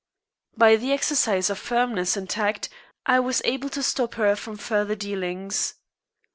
By the exercise of firmness and tact I was able to stop her from further dealings.